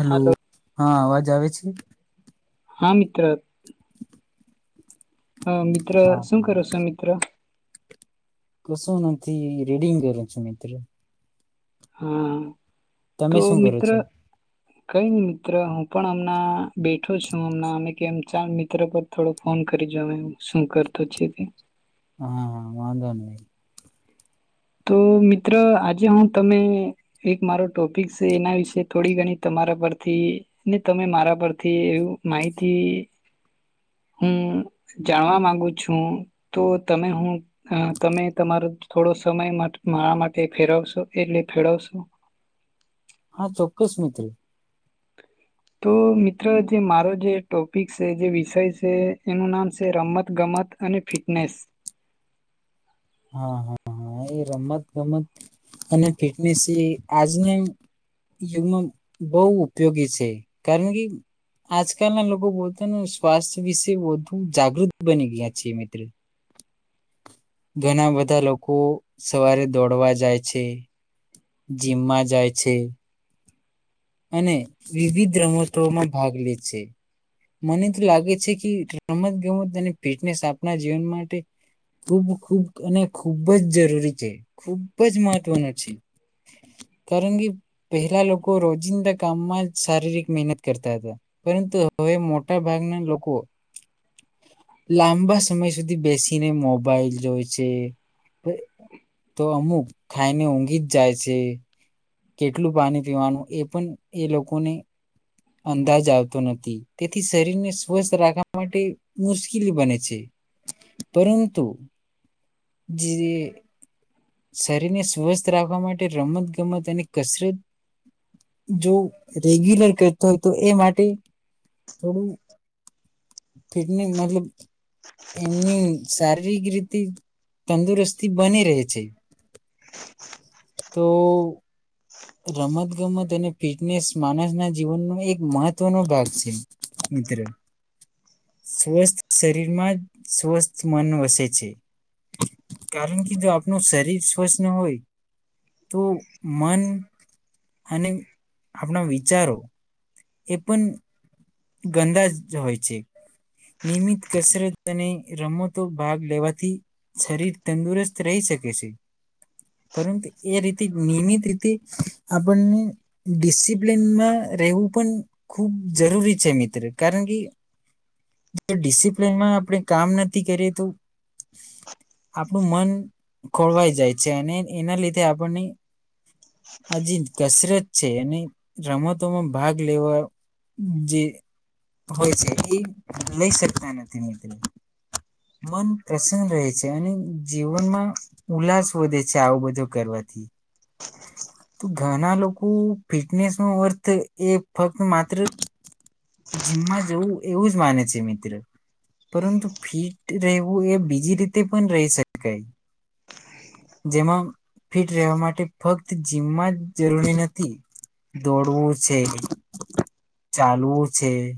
Hello હાલો હા અવાજ આવે છે હા મિત્ર હ મિત્ર હા શું કરો છો મિત્ર કશું નથી રીડિંગ કરૂ છું મિત્ર. હા તમે તો શું કરો મિત્ર છો કઈ મિત્ર હું. પણ અમણા બેઠો છુંમ અમે કેમ ચણ મિત્ર પર થોડો ફોન કરીજ એમ શું કરતો છે? હા હા વાંઘો નહી. તો મિત્ર આજે હું તમે એક મારો ટોપિક છે એના વિશે થોડી ઘણી તમારા પરથી ને તમે મારા પરથી એવું માહિતી હું જાણવા માંગુ છું તો તમે હું તમે તમારો થોડો સમય મારા માટે ફેરવશો એટલે ફેળવશો. હા ચોક્કસ મિત્ર. તો મિત્રો જે મારો જે ટોપિક છે જે વિષય છે એનું નામ છે રમત ગમત અને ફિટનેસ. હા હા હા એ રમત ગમત અને ફિટનેસ એ આજના યુગમાં બહુ ઉપયોગી છે કારણ કે આજકાલના લોકો પોતાનું સ્વાસ્થ્ય વિશે વધુ જાગૃત બની ગયા છે મિત્ર. ઘણા બધા લોકો સવારે દોડવા જાય છે જીમમાં જાય છે અને વિવિધ રમતોમાં ભાગ લે છે મને તો લાગે છે કે રમત ગમત અને ફિટનેસ આપણા જીવન માટે ખૂબ ખૂબ અને ખૂબ જ જરૂરી છે ખૂબ જ મહત્વનો છે કારણ કે પહેલા લોકો રોજિંદા કામમાં શારીરિક મહેનત કરતા હતા પરંતુ હવે મોટા ભાગના લોકો લાંબા સમય સુધી બેસીને મોબાઈલ જો છે તો અમુક ખાઈને ઊંઘી જ જાય છે કેટલું પાણી પીવાનું એ પણ એ લોકોને અંદાજ આવતો નથી તેથી શરીરને સ્વસ્થ રાખવા માટે મુશ્કેલી બને છે પરંતુ જે શરીરને સ્વસ્થ રાખવા માટે રમત ગમત અને કસરત જો રેગ્યુલર કરતો હોય તો એ માટે થોડુંને મતલબ એમની શારીરિક રીતે તંદુરસ્તી બની રહે છે. તો રમત ગમત અને ફિટનેસ માણસના જીવનનો એક મહત્વનો ભાગ છે મિત્ર સ્વસ્થ શરીરમાં જ સ્વસ્થ મન વસે છે કારણ કે જો આપણ શરીર સ્વસ્થ હોય તો મન અને આપણા વિચારો એ પણ ગંદા જ હોય છે. નિયમિત કસરત અને રમતો ભાગ લેવાથી શરીર તંદુરસ્ત રહી શકે છે પરંતુ એ રીતે નિયમિત રીતે આપણને ડિસિપ્લનમાં રહેવું પણ ખૂબ જરૂરી છે. મિત્ર કારણ કે જો ડિસિપ્લનમાં આપણે કામ નથી કરીએ તો આપણું મન ખોળવાઈ જાય છે અને એના લીધે આપણને અજી કસરત છે અને રમતોમાં ભાગ લેવા જે હોય છે એ લઈ શકતા નથી મિત્રો મન પ્રસન્ન રહે છે અને જીવનમાં ઉલ્લાસ વધે છે આવો બધો કરવાથી. તો ઘણા લોક ફિટનેસ નો અર્થ એ ફક્ત માત્ર જીમમાં જવું. એવું જ માને છે મિત્ર પરંતુ ફિટ રહેવું એ બીજી રીતે પણ રહી શકાય જેમાં ફિટ રહેવા માટે ફક્ત જીમમાં જરૂરી નથી દોડવું છે ચાલવું છે.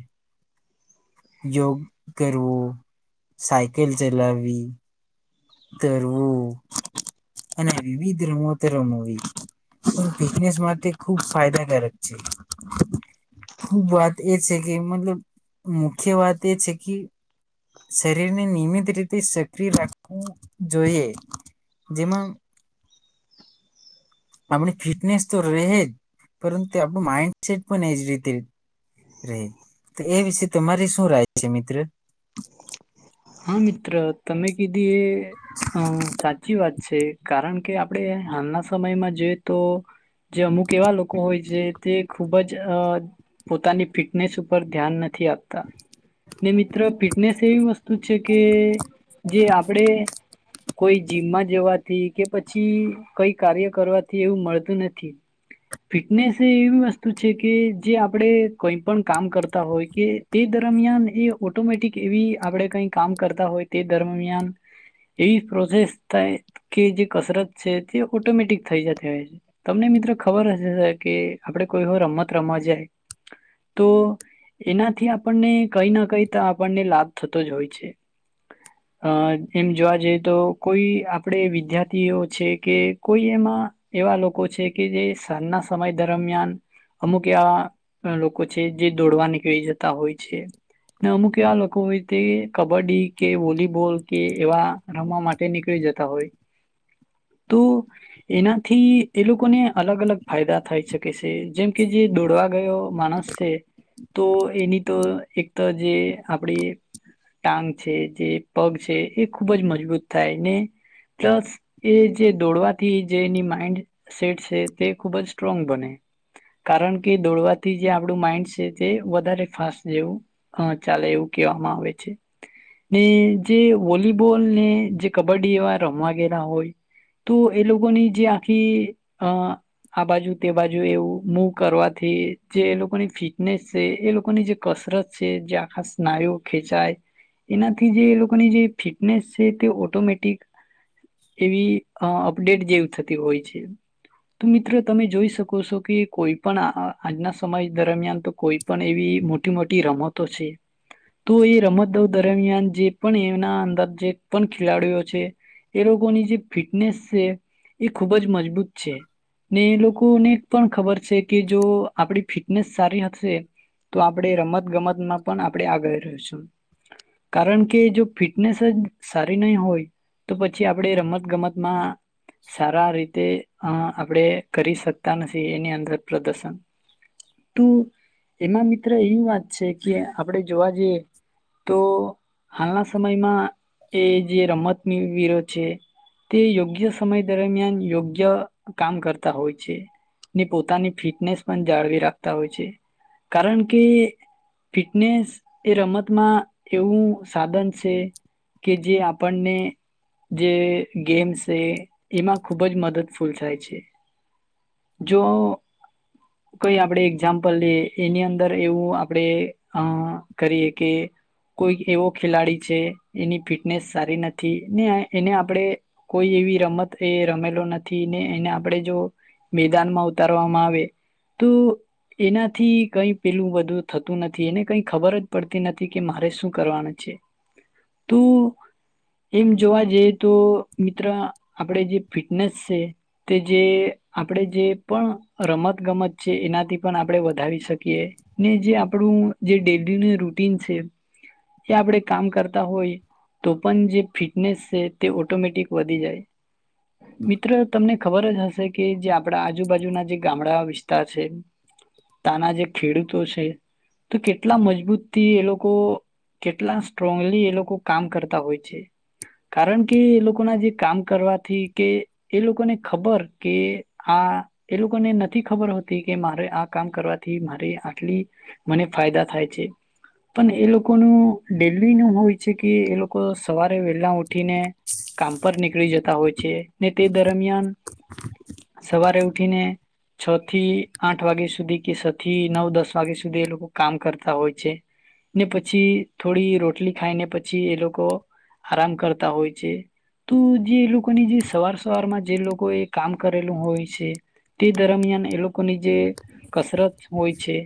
યોગ કરવો સાયકલ ચલાવી તરવું અને વિવિધ રમત રમવી ફિટનેસ માટે ખૂબ ફાયદાકારક છે ખૂબ વાત એ છે કે મતલબ મુખ્ય વાત એ છે કી શરીરને નિયમિત રીતે સક્રિય રાખ જોઈએ જેમાં આપણી ફિટનેસ તો રહે જ પરંતુ આપણું માઈન્ડસેટ પણ એજ રીતે રહે તો એ વિશે તમારી શું રાાય છે મિત્ર. હા મિત્ર તમે કીધી એ હ સાચી વાત. છે કારણ કે આપણે હાલના સમયમાં જોઈએ તો જે અમુક એવા લોકો હોય છે તે ખુબ જ અ પોતાની ફિટનેસ ઉપર ધ્યાન નથી થયાતા ને મિત્ર ફિટનેસ એવી મસ્ત કે જે આપણે કોઈ જીમમાં જવાથી કે પછી કઈ કાર્ય કરવાથી એવું મળતું નથી ફિટનેસ એવી વસ્તુ છે કે જે આપણે કઈ પણ કામ કરતા હોય કે તે દરમિયાન એ ઓટોમેટિક એવી આપણે. કઈ કામ કરતા હોય તે દરમિયાન એવી પ્રોસેસ થાય કે જે કસરત છે તે ઓટોમેટિક થઈ જતી હોય છે. તમને મિત્રો ખબર હ કે આપણે કોઈ હો રમત રમવા જાય તો એનાથી આપણને કઈ ના કઈ આપણને લાભ થતો. હોય છે અ એમ જોવા જઈએ તો કોઈ આપણે વિદ્યાર્થીઓ છે કે કોઈ એમાં એવા લોકો છે કે જે શરના સમય દરમિયાન અમુક એવા લોકો છે જે દોડવા નીકળી જતા હોય છે ને અમુક એવા લોકો હોય તે કબડ્ડી કે વોલીબોલ કે એવા રમવા માટે નીકળી જતા હોય. તો એનાથી એ લોકોને અલગ અલગ ફાયદા થઈ શકે છે. જેમ કે જે દોડવા ગયો માણસ છે તો એની તો એક તો જે આપડી. ટાંગ છે જે પગ છે એ ખૂબ જ મજબૂત થાય ને પ્લસ એ જે દોડવાથી જે એની માઈન્ડ સેટ છે તે ખૂબ જ સ્ટ્રોંગ બને. કારણ કે દોડવાથી જે આપણું માઈન્ડ છે તે વધારે ફાસ્ટ જેવું ચાલે એવું કવા. ને જે વોલીબોલ ને જે કબડ્ડી એવા રમવા ગયેલા હોય તો એ લોકોની જે આખી આ બાજુ તે બાજુ એવું મૂવ કરવાથી જે એ લોકોની ફિટનેસ છે એ લોકોની જે કસરત છે જે આખા સ્નાયુ. ખેચાય એનાથી જે એ લોકોની જે ફિટનેસ છે તે ઓટોમેટિક. એવી. અ અપડેટ જેવું થતી હોય છે તો મિત્રો તમે જોઈ શકો છો કે, કોઈ પણ આજના સમય દરમિયાન તો કોઈ પણ એવી મોટી મોટી રમતો છે. તો એ રમત દ દરમિયાન જે પણ એમના અંદર જે પણ ખેલાડીઓ છે એ લોકોની જે ફિટનેસ છે એ ખૂબ જ મજબૂત છે ને એ લોકોને પણ ખબર. છે કે જો આપડી. ફિટનેસ સારી હશે તો આપડે રમત ગમતમાં પણ આપે આગળ. કારણ કે જો ફિટનેસ જ સારી નહી હોય તો પછી આપણે રમત ગમતમાં. સારા રીતે અ આપણેે કરી શકતા નથી એની અંદર પ્રદર્શન તો એમાં મિત્ર એવી વાત છે કે, આપણે જોવા જઈએ. તો હાલના સમયમાં એ જે રમત ની વિરોધ છે તે યોગ્ય સમય દરમિયાન યોગ્ય કામ કરતા હોય છે. ને પોતાની ફિટનેસ પણ જાળવી રાખતા હોય છે, કારણ કે ફિટનેસ એ રમતમાં એવું સાધન છે કે જે આપણને જે ગેમ્ છે એમાં ખૂબ જ મદદ ફૂલ થાય છે. જો કોઈ આપણે એક્ઝામ્પલ લઈએ એની અંદર એવું આપણે અ કરીએ કે કોઈ એવો ખેલાડી છે એની ફિટનેસ સારી નથી. ને એને આપણે કોઈ એવી રમત એ રમેલો નથી ને એને આપણે જો મેદાનમાં ઉતારવામાં આવે તો એનાથી કઈ પેલું બધું થતું નથી. એને કઈ ખબર જ- પડટિ નથી કે મારે શું કરવાનું છે. તો એમ જોવા જઈએ તો મિત્ર આપણે જે ફિટનેસ છે તે જે આપણે જે પણ રમત ગમત છે. એનાથી પણ આપણે વધારી શકીએ ને જે આપણું જે ડેલી નીકળી રૂટીન છે તે આપણે કામ કરતા હોય તો પણ જે ફિટનેસ છે તે ઓટોમેટિક વધી જાય. મિત્ર તમને ખબર જ હશે કે જે આપણા આજુબાજુના જે ગામડા વિસ્તાર છે ત્યાના જે ખેડૂતો છે, તો કેટલા મજબૂત થી એ લોકો કેટલા સ્ટ્રોંગલી એ લોકો કામ કરતા હોય છે, કારણ કે એ લોકોના જે કામ કરવાથી કે એ લોકોને ખબર કે આ એ લોકોને નથી ખબર હોતી કે મારે આ કામ કરવાથી મારે આટલી મને ફાયદા થાય છે. પણ એ લોકોનું ડેલી ન હોય છે કે, એ લોકો સવાર વેલા ઉઠી ને કામ પર નીકળી જતા હોય છે. એ તે દરમિયાન સવારે ઉઠીને છ થી આઠ વાગ્યા સુધી કે છ થી નવ દસ વાગે સુધી એ લોકો કામ કરતા હોય. ને પછી થોડી રોટલી ખાઈને પછી એ લોકો આરામ કરતા હોય છે. તો જે એ લોકોની જે સવાર સવારમાં જે લોકો એ કામ કરેલું હોય છે તે દરમિયાન એ લોકોની જે કસરત હોય છે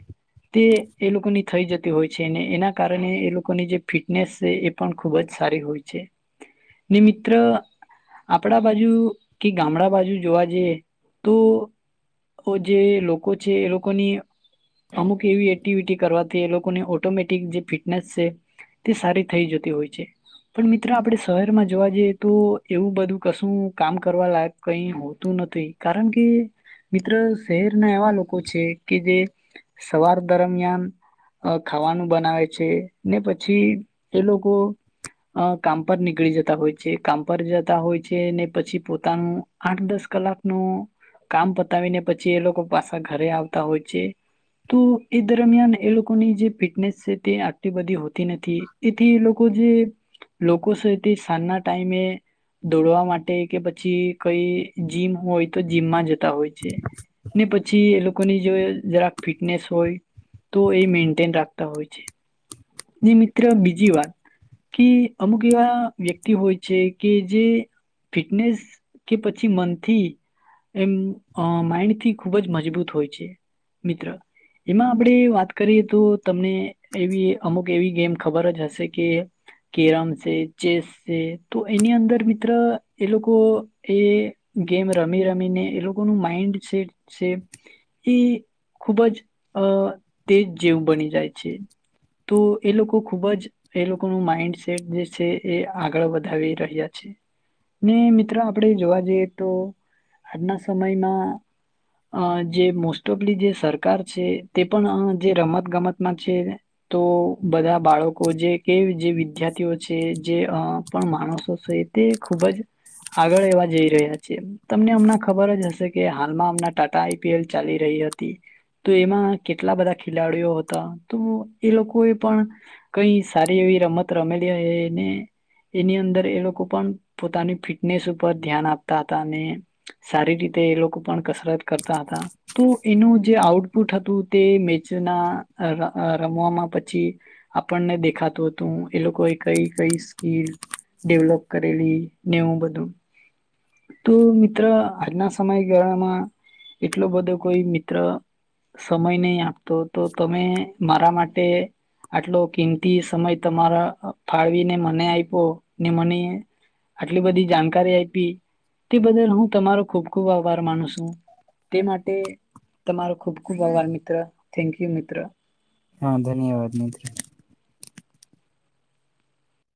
તે એ લોકોની થઈ જતી હોય છે ને એના કારણે એ લોકોની જે ફિટનેસ છે એ પણ ખૂબ જ સારી હોય છે. ને મિત્ર આપણા બાજુ કે ગામડા બાજુ જોવા જઈએ તો જે લોકો છે એ લોકોની અમુક એવી એક્ટિવિટી કરવા તે લોકોને ઓટોમેટિક જે ફિટનેસ છે તે સારી થઈ જતી હોય છે. પણ મિત્ર આપણે શહેરમાં જોવા જઈએ તો એવું બધું કશું કામ કરવા લાયક કઈ હોતું નથી. કારણ કે મિત્ર શહેરના એવા લોકો છે કે જે સવાર દરમિયાન અ ખાવાનું બનાવે છે. ને પછી એ લોકો કામ પર નીકળી જતા હોય છે. કામ પર જતા હોય છે ને પછી, પોતાનું આઠ દસ કલાકનું કામ પતાવીને પછી એ લોકો પાછ ઘરે આવતા હોય છે તો એ દરમિયાન એ લોકો ની જે ફિટનેસ છે તે આ બધી હો નથી એથી લોકો જે લોકો છે તે સાંજના ટાઈમે દોડવા માટે કે પછી કઈ જીમ હોય તો જીમમાં જતા હોય છે ને પછી એ લોકોની જો જરાક ફિટનેસ હોય તો એ રાખતા હોય છે. મિત્ર બીજી વાત કે અમુક એવા વ્યક્તિ હોય છે કે જે ફિટનેસ કે પછી મનથી એમ માઇન્ડ થી ખુબ જ મજબૂત હોય છે. મિત્ર એમાં આપણે વાત કરીએ તો તમને એવી અમુક એવી ગેમ ખબર જ હશે કે કેરમ છે ચેસ છે તો એની અંદર મિત્ર એ લોકો એ ગેમ રમી રમીને એ લોકોનું માઈન્ડસેટ છે એ ખૂબ જ અ તે જ જેવું બની જાય છે. તો એ લોકો ખૂબ જ એ લોકોનું માઈન્ડસેટ જે છે. એ આગળ વધાવી રહ્યા છે. ને મિત્રો આપણે જોવા જઈએ તો આજના સમયમાં જે મોસ્ટ ઓફલી જે સરકાર છે તે પણ જે રમત ગમતમાં છે તો બધા બાળકો જે કે જે વિદ્યાર્થીઓ છે જે પણ માણસો છે તે ખુબ જ આગળ એવા જઈ રહ્યા છે. તમને અમને ખબર જ હશે કે હાલમાં અમણા ટાટા આઈપીએલ ચાલી રહી હતી તો એમાં કેટલા બધા. ખેલાડીઓ હતા તો એ લોકો એ પણ કઈ સારી એવી રમત રમેલી એને એની અંદર એ લોકો પણ પોતાની ફિટનેસ ઉપર ધ્યાન આપતા હતા. અને સારી રીતે એ લોકો પણ કસરત કરતા હતા તો એનું જે આઉટપુટ હતું તે મેચ ના રમવામાં પછી આપણને દેખાતું હતું. એ લોકોએ કઈ કઈ સ્કીલ ડેવલોપ કરેલી નેવું બધું તો મિત્ર આજના સમયગાળામાં એટલો બધો કોઈ મિત્ર સમય નહી આપ તો તો તમે મારા માટે તે આટલો કિંમતી સમય તમારા ફાળવીને મને આપ્યો ને મને આટલી બધી જાણકારી આપી તે બદલ હું તમારો ખુબ ખુબ આભાર માનું છું, તે માટે તમારો ખુબ ખુબ આભાર મિત્ર. થેન્ક યુ મિત્ર. હા ધન્યવાદ મિત્ર.